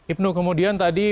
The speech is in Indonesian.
ipnu kemudian tadi